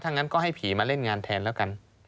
งั้นก็ให้ผีมาเล่นงานแทนแล้วกัน